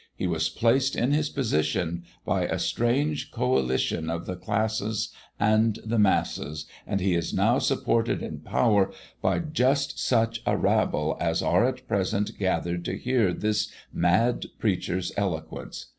He was placed in his position by a strange coalition of the classes and the masses, and he is now supported in power by just such a rabble as are at present gathered to hear this mad preacher's eloquence.